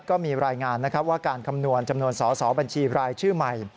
ก็มีรายงานนะครับว่าการคำนวณจำนวนสอสอบัญชีรายชื่อใหม่